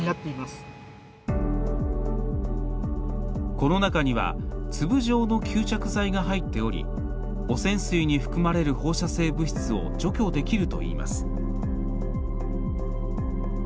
この中には粒状の吸着材が入っており汚染水に含まれる放射性物質を除去できるといいます。